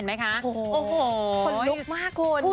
สวัสดีค่ะสวัสดีค่ะ